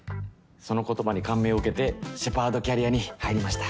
その言葉に感銘を受けてシェパードキャリアに入りました。